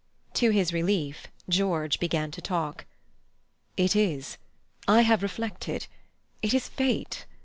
To his relief, George began to talk. "It is. I have reflected. It is Fate.